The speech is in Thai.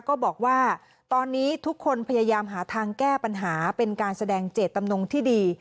ก็บอกว่าตอนนี้ทุกคนพยายามหาทางแก้ปัญหาเป็นการแสดงเจตจำนงที่ดี